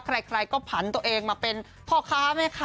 ใครก็ผันตัวเองมาเป็นพ่อค้าแม่ค้า